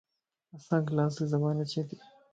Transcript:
اسانک لاسي زبان اچي تي